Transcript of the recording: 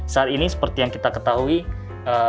saat ini seperti yang kita ketahui ekonomi sedang melemah